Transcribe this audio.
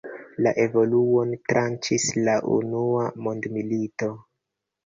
La evoluon tranĉis la unua mondmilito.